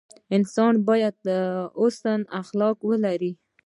انسان باید حسن اخلاق ولري.